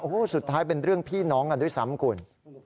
โอ้โหสุดท้ายเป็นเรื่องพี่น้องกันด้วยซ้ำคุณ